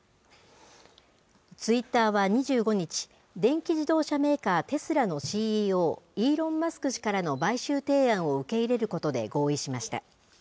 ツイッターは２５日、電気自動車メーカー、テスラのＣＥＯ、イーロン・マスク氏からの買収提案を受け入れることで合意しました。